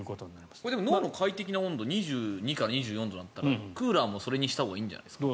これ、脳の快適な温度２２から２４度だったらクーラーもそうしたほうがいいんじゃないですか？